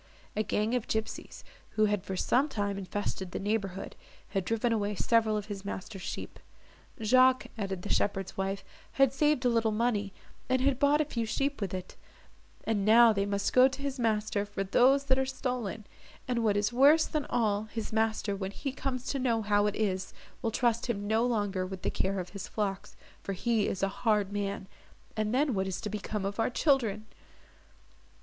A gang of gipsies, who had for some time infested the neighbourhood, had driven away several of his master's sheep. "Jacques," added the shepherd's wife, "had saved a little money, and had bought a few sheep with it, and now they must go to his master for those that are stolen; and what is worse than all, his master, when he comes to know how it is, will trust him no longer with the care of his flocks, for he is a hard man! and then what is to become of our children!"